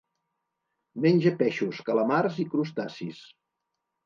Menja peixos, calamars i crustacis.